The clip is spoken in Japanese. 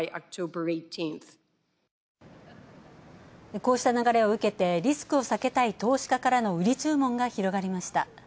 こうした流れを受けて、リスクを避けたい投資家からの売り注文が広がりました。